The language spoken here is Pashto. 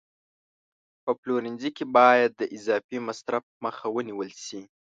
په پلورنځي کې باید د اضافي مصرف مخه ونیول شي.